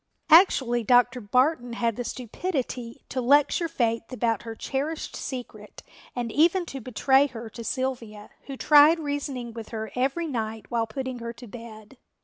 Actually Dr. Barton had the stupidity to lecture Faith about her cherished secret and even to betray her to Sylvia, who tried reasoning with her every night while putting her to bed.